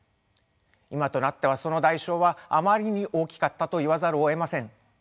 今となってはその代償はあまりに大きかったといわざるをえません。